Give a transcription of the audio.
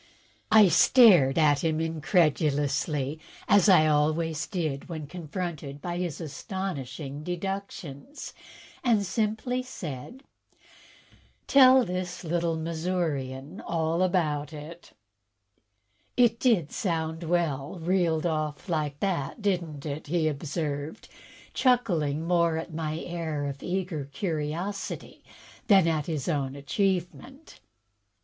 I stared at him incredulously, as I always did when confronted by his astonishing "deductions," and simply said: "Tell this little Missourian all about it." "It did sound well, reeled off like that, did n't it?" he observed, chuckling more at my air of eager curiosity than at his own achieve 122 THE TECHNIQUE OF THE MYSTERY STORY ment.